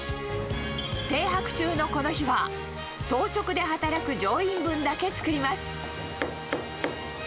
停泊中のこの日は、当直で働く乗員分だけ作ります。